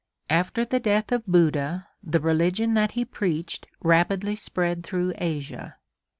After the death of Buddha the religion that he preached rapidly spread through Asia.